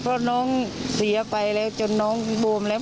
เพราะน้องเสียไปแล้วจนน้องบวมแล้ว